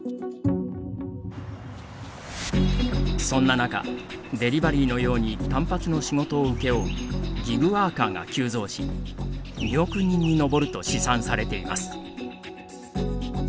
そんな中、デリバリーのように単発の仕事を請け負うギグワーカーが急増し２億人に上ると試算されています。